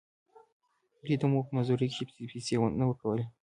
دوې ته مو په مزدورۍ کښې پيسې نه ورکولې.